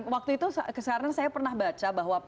waktu itu sekarang saya pernah baca bahwa